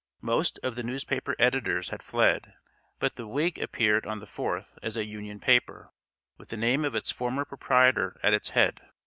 Most of the newspaper editors had fled, but the Whig appeared on the 4th as a Union paper, with the name of its former proprietor at its head.